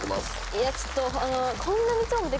いやちょっと。